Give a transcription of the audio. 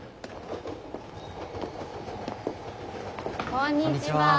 こんにちは。